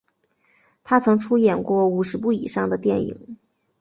他曾出演过五十部以上的电影。